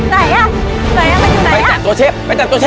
เร็วไปเร็ว